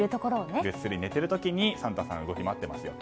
ぐっすり寝てる時にサンタさん動き回ってますよと。